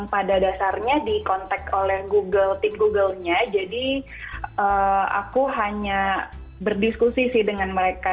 pada dasarnya dikontak oleh google tim googlenya jadi aku hanya berdiskusi sih dengan mereka